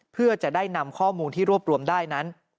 เพื่อจะได้นำข้อมูลที่รวบรวมได้นั้น